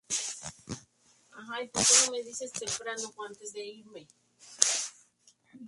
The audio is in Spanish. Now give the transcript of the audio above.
Estos últimos cuadros se encuentran ahora en el museo del Louvre.